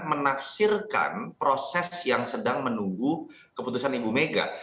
menafsirkan proses yang sedang menunggu keputusan ibu mega